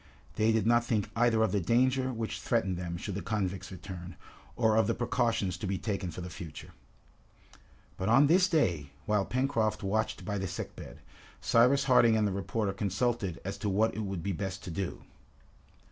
They did not think either of the danger which threatened them should the convicts return, or of the precautions to be taken for the future. But on this day, while Pencroft watched by the sick bed, Cyrus Harding and the reporter consulted as to what it would be best to do.